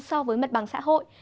so với mật bằng xã hội